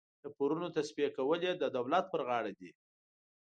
د پورونو تصفیه کول یې د دولت پر غاړه دي.